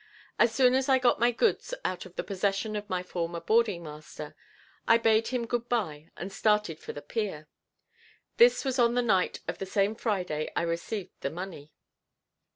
As soon as I got my goods out of the possession of my former boarding master, I bade him good by and started for the pier. This was on the night of the same Friday I received the money.